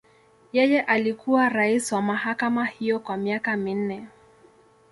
Yeye alikuwa rais wa mahakama hiyo kwa miaka minne.